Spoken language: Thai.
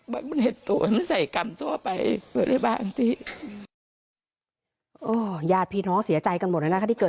ไม่มีเหตุกันนั่นไหว้ได้ไม่ใส่กรรมทั่วไป